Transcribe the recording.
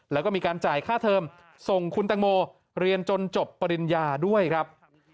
แล้วก็มีการจ่ายค่าเทิมส่งคุณตังโมเรียนจนจบปริญญาด้วยครับ